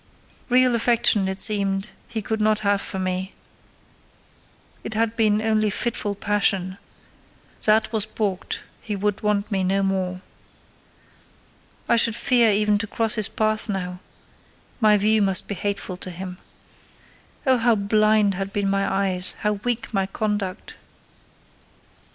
Real affection, it seemed, he could not have for me; it had been only fitful passion: that was balked; he would want me no more. I should fear even to cross his path now: my view must be hateful to him. Oh, how blind had been my eyes! How weak my conduct!